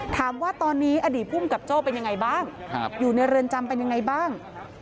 ถามว่าตอนนี้อดีตภูมิกับโจ้เป็นยังไงบ้างอยู่ในเรือนจำเป็นยังไงบ้าง